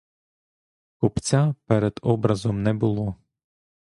Купця перед образом не було.